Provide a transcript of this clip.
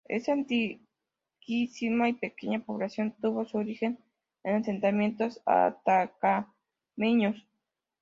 Esta antiquísima y pequeña población tuvo su origen en asentamientos atacameños.